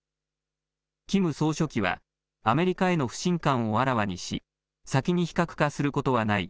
キム総書記は、アメリカへの不信感をあらわにし、先に非核化することはない。